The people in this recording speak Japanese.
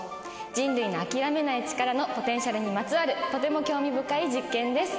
人類の諦めない力のポテンシャルにまつわるとても興味深い実験です。